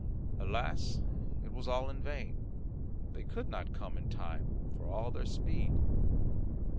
Alas! it was all in vain; they could not come in time for all their speed.